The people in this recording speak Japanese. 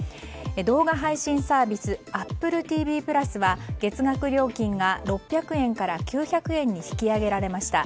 動画配信サービスＡｐｐｌｅＴＶ＋は月額料金が６００円から９００円に引き上げられました。